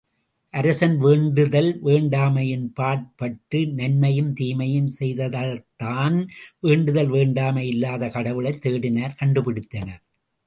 அரசன் வேண்டுதல் வேண்டாமையின் பாற்பட்டு நன்மையும் தீமையும் செய்ததால்தான் வேண்டுதல் வேண்டாமை இல்லாத கடவுளைத் தேடினர் கண்டுபிடித்தனர்.